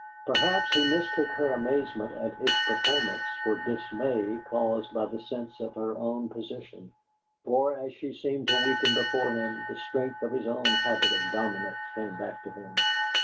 Perhaps he mistook her amazement at his performance for dismay caused by the sense of her own position, for, as she seemed to weaken before him, the strength of his own habit of dominance came back to him.